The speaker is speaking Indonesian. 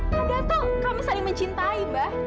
padahal tuh kami saling mencintai mbak